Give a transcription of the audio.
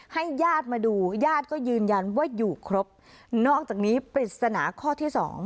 ญาติมาดูญาติก็ยืนยันว่าอยู่ครบนอกจากนี้ปริศนาข้อที่สอง